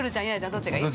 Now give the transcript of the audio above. ◆どっちがいい？